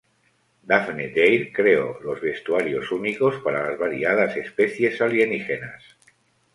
Daphne Dare creó los vestuarios únicos para las variadas especies alienígenas.